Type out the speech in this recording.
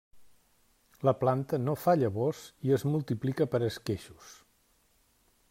La planta no fa llavors i es multiplica per esqueixos.